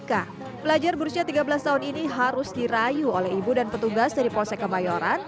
ika pelajar berusia tiga belas tahun ini harus dirayu oleh ibu dan petugas dari polsek kemayoran